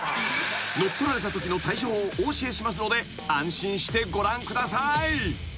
［乗っ取られたときの対処法をお教えしますので安心してご覧ください］